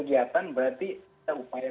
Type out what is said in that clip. kegiatan berarti upaya